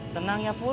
tenang ya pur